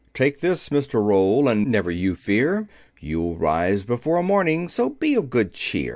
"Take this, Mr. Roll, and never you fear; You'll rise before morning, so be of good cheer."